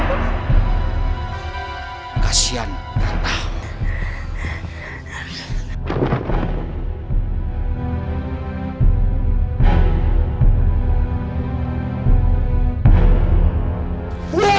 tuhan tidak akan menang